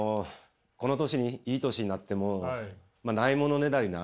この年にいい年になっても無いものねだりな。